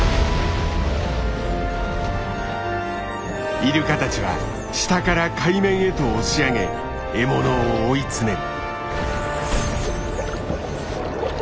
イルカたちは下から海面へと押し上げ獲物を追い詰める。